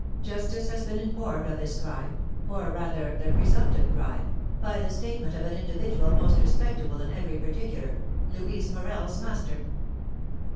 Justice has been informed of this crime, or rather the presumptive crime, by the statement of an individual most respectable in every particular, Louise Morel's master."